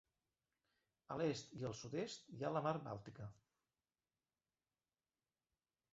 A l'est i al sud-est hi ha la mar Bàltica.